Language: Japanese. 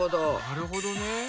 なるほどね。